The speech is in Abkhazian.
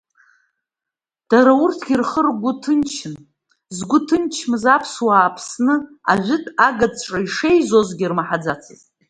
Дара урҭгьы рхы-ргәы ҭынчын, згәы ҭынчмыз аԥсуаа Аԥсны ажәытә агәаҿы ишеизазгьы рмаҳаӡацызт.